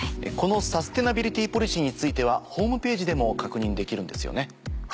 このサステナビリティポリシーについてはホームページでも確認できるんですよね？